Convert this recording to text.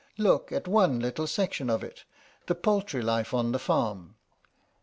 Look at one little section of it, the poultry life on the farm.